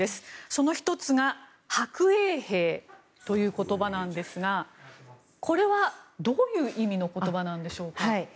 その１つが白衛兵という言葉なんですがこれはどういう意味の言葉なんでしょうか？